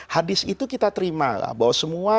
hadis itu kita terima bahwa semua